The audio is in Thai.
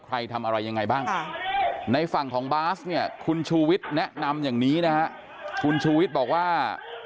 ใครทำอะไรยังไงบ้างในฝั่งของบาสเนี่ยคุณชูวิทย์แนะนำอย่างนี้นะฮะคุณชูวิทย์บอกว่า